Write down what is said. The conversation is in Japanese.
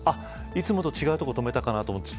いつもと違うところに止めたかなと思って